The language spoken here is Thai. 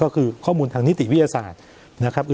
ก็คือข้อมูลทางนิติวิทยาศาสตร์นะครับ